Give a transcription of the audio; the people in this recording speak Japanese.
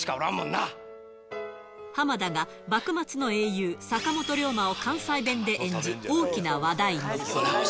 浜田が、幕末の英雄、坂本龍馬を関西弁で演じ、大きな話題に。